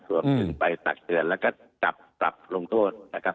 ครึ่งไปตักเถิดและก็สรรพไปกับลงโทษนะครับ